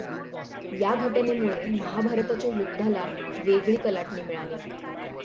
या घटनेमूळे महाभारताच्या युध्दाला वेगळी कलाटणी मिळाली.